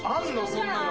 そんなの。